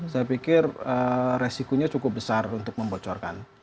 saya pikir resikonya cukup besar untuk membocorkan